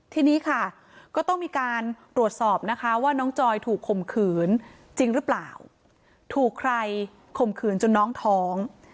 ทีนี้ค่ะก็ต้องมีการตรวจสอบนะคะว่าน้องจอยถูกข่มขืนจริงหรือเปล่าถูกใครข่มขืนจนน้องท้อง